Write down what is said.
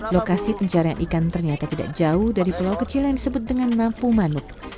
lokasi pencarian ikan ternyata tidak jauh dari pulau kecil yang disebut dengan nampu manuk